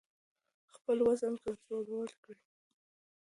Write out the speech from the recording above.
خپل وزن کنټرول کړئ.